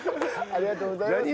ありがとうございます。